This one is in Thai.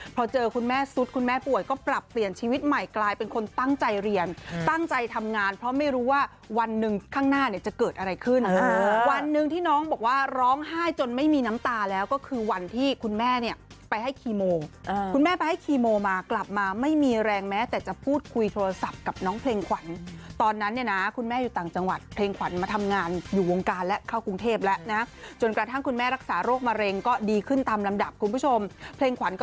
พอเจอคุณแม่สุดคุณแม่ป่วยก็ปรับเปลี่ยนชีวิตใหม่กลายเป็นคนตั้งใจเรียนตั้งใจทำงานเพราะไม่รู้ว่าวันหนึ่งข้างหน้าจะเกิดอะไรขึ้นวันหนึ่งที่น้องบอกว่าร้องไห้จนไม่มีน้ำตาแล้วก็คือวันที่คุณแม่เนี่ยไปให้คีโมคุณแม่ไปให้คีโมมากลับมาไม่มีแรงแม้แต่จะพูดคุยโทรศัพท์กับน้องเพลงขวั